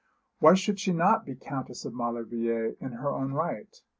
Why should she not be Countess of Maulevrier in her own right?